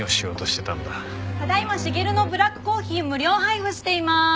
ただ今しげるのブラックコーヒー無料配布していまーす！